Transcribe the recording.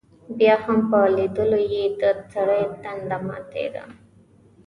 بیا هم په لیدلو یې دسړي تنده ماتېده.